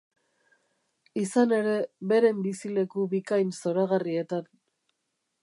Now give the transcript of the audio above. Izan ere, beren bizileku bikain zoragarrietan.